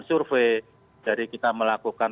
survei dari kita melakukan